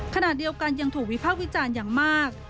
ขณะเดียวกันยังถูกวิภาควิจารณ์อย่างมาก